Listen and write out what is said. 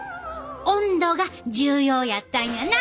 温度が重要やったんやな！